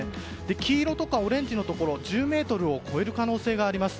黄色とかオレンジのところ１０メートルを超える可能性があります。